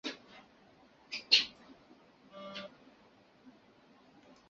我女朋友还在公交站等着，我要快点回去。